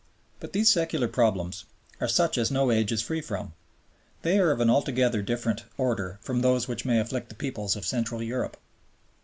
But these secular problems are such as no age is free from. They are of an altogether different order from those which may afflict the peoples of Central Europe.